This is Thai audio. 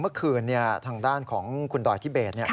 เมื่อคืนทางด้านของคุณดอยทิเบศ